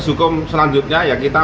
sukom selanjutnya ya kita